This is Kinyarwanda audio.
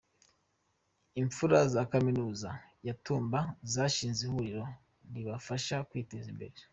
Imfura zakaminuza ya tumba zashinze ihuriro ribafasha kwiteza imbere